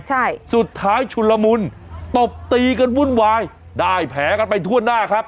ใช่สุดท้ายชุนละมุนตบตีกันวุ่นวายได้แผลกันไปทั่วหน้าครับ